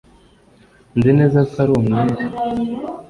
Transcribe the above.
nzi neza ko ari umwere